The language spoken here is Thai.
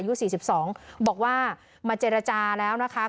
ยูสี่สิบสองบอกว่ามาเจรจาแล้วนะคะ